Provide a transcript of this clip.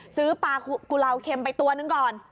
ซื้อปลากุลาวเค็มไปตัวหนึ่งก่อน